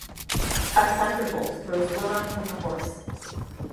A thunderbolt throws Wilhelm from the horse.